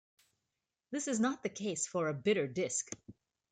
This is not the case for a Bitter disc.